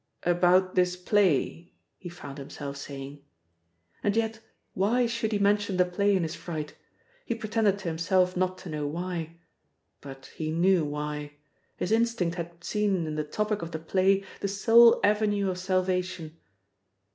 "About this play," he found himself saying. And yet why should he mention the play in his fright? He pretended to himself not to know why. But he knew why. His instinct had seen in the topic of the play the sole avenue of salvation.